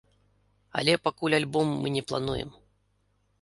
Але пакуль альбом мы не плануем.